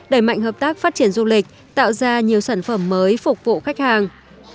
đẩy mạnh hợp tác phát triển du lịch tạo ra nhiều sản phẩm mới phục vụ khách hàng